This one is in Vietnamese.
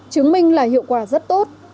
chứng minh là hiệu quả rất tốt